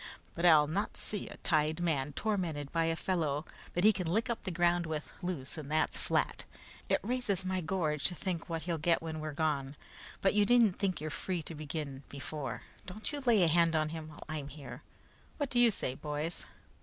But I'll not see a tied man tormented by a fellow that he can lick up the ground with, loose, and that's flat. It raises my gorge to think what he'll get when we're gone, but you needn't think you're free to begin before. Don't you lay a hand on him while I'm here! What do you say, boys?"